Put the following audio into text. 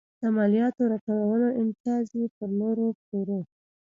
د مالیاتو راټولولو امتیاز یې پر نورو پلوره.